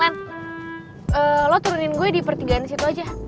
ah len lo turunin gue di pertigaan situ aja